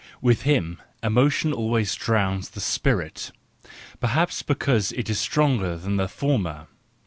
With him emotion always drowns the spirit; perhaps because it is stronger than in the former.